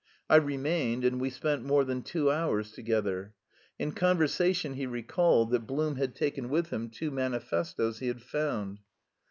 I remained, and we spent more than two hours together. In conversation he recalled that Blum had taken with him two manifestoes he had found.